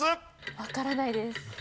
わからないです。